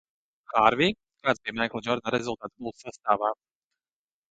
"Hārvij, kāds bija Maikla Džordana rezultāts "Bulls" sastāvā?"